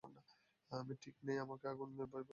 আমি ঠিক নেই, আমি আগুনে ভয় পাচ্ছি, সত্যি?